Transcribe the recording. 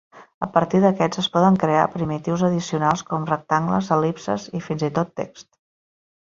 A partir d'aquests es poden crear primitius addicionals com rectangles, el·lipses i fins i tot text.